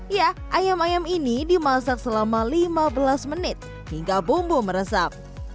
ya ayam ayam ini dimasak selama lima belas menit hingga bumbu meresap